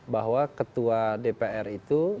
bahwa ketua dpr itu